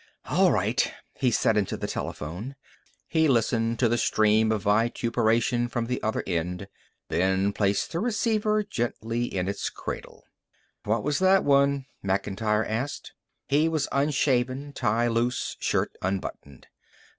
"All right," he said into the telephone. He listened to the stream of vituperation from the other end, then placed the receiver gently in its cradle. "What was that one?" Macintyre asked. He was unshaven, tie loose, shirt unbuttoned.